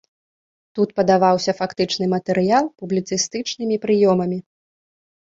Тут падаваўся фактычны матэрыял публіцыстычнымі прыёмамі.